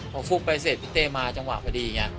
พอพุบไปเสร็จไอ้เต้มาจังหวะเวทีเงี้ย